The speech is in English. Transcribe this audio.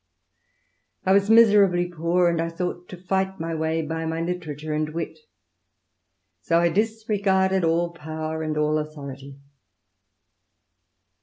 I was miserably poor, and I thought to fight my way by my literature and wit; so I disregarded all power and all authority."